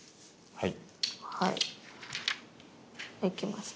はい。